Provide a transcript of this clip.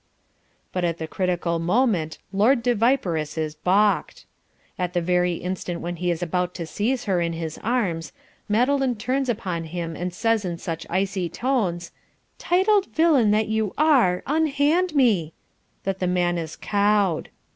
But at the critical moment, Lord de Viperous is balked. At the very instant when he is about to seize her in his arms, Madeline turns upon him and says in such icy tones, "Titled villain that you are, unhand me," that the man is "cowed."